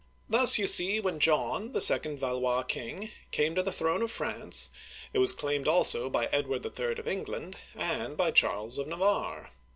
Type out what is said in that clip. Thus, you see, when John, the second Valois king, came to the throne of France, it was claimed also by Edward III. of England and by Charles of Navarre.